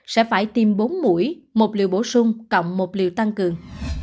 sẽ phải tiêm bốn mũi một liều bổ sung cộng một liều tăng cường